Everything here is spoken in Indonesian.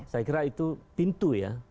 saya kira itu pintu ya